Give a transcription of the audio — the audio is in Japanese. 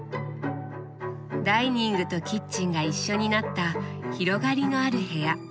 ダイニングとキッチンが一緒になった広がりのある部屋。